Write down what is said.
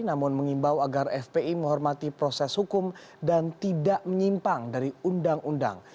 namun mengimbau agar fpi menghormati proses hukum dan tidak menyimpang dari undang undang